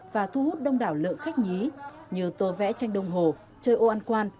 và thu hút đông đảo lượng khách nhí như tô vẽ tranh đông hồ chơi ô ăn quan